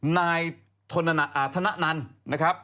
นายธนนันนะครับ